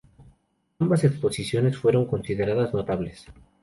Ambas exposiciones fueron consideradas notables.